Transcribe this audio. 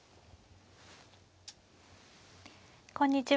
こんにちは。